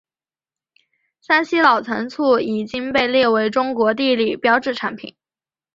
山西老陈醋已经被列为中国地理标志产品。